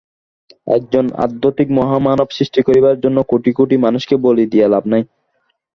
একজন আধ্যাত্মিক মহামানব সৃষ্টি করিবার জন্য কোটি কোটি মানুষকে বলি দিয়া লাভ নাই।